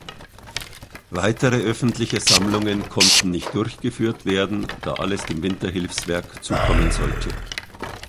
Weitere öffentliche Sammlungen konnten nicht durchgeführt werden, da alles dem Winterhilfswerk zukommen sollte.